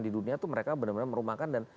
di dunia itu mereka benar benar merumahkan dan